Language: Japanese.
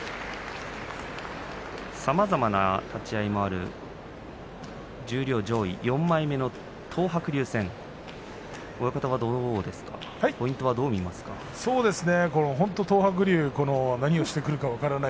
さまざまな立ち合いもある十両上位４枚目の東白龍戦ポイントはどう見ますか。